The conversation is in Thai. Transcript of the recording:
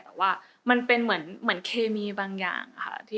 แต่ว่ามันเป็นเหมือนเคมีบางอย่างค่ะ